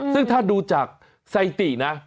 ซึ่งถ้าดูจากไซตินะ